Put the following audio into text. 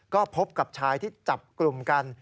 ก็พบกับชายที่จับกลุ่มกัน